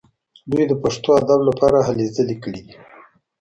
دوی د پښتو ادب لپاره هلې ځلې کړي دي.